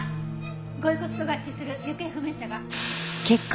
ご遺骨と合致する行方不明者が。